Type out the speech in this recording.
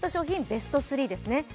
ベスト３ですね。